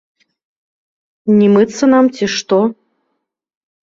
Не мыцца нам ці што?